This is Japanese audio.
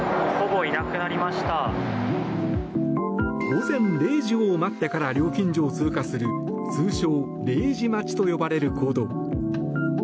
午前０時を待ってから料金所を通過する通称、０時待ちと呼ばれる行動。